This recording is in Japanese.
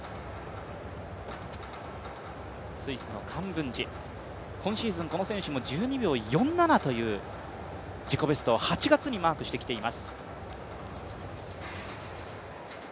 スイスのカンブンジ、今シーズン、子の選手も１２秒４７という自己ベストを８月にマークしてきています。